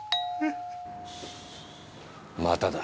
まただ。